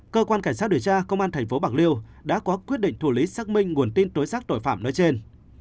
cơ quan cảnh sát điều tra công an tp bạc liêu đã có quyết định thủ lý xác minh nguồn tin tối xác tội phạm nói trên